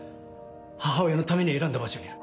母親のために選んだ場所にいる。